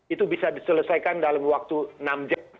itu bisa diselesaikan dalam waktu enam jam